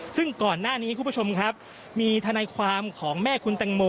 ซึ่งก่อนหน้านี้คุณผู้ชมครับมีทนายความของแม่คุณแตงโม